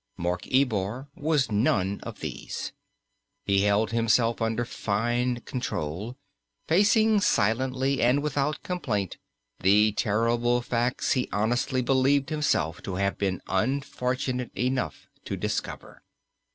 Mark Ebor was none of these. He held himself under fine control, facing silently and without complaint the terrible facts he honestly believed himself to have been unfortunate enough to discover.